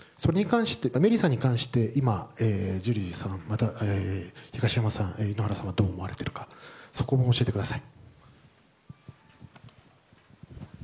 メリーさんに関して今、ジュリーさんまた東山さん、井ノ原さんはどう思われているか教えてください。